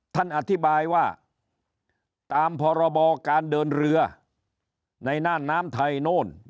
ท่านอธิบายว่าตามพรบการเดินเรือในน่านน้ำไทยโน่น